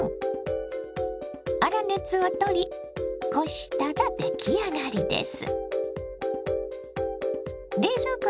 粗熱をとりこしたら出来上がりです。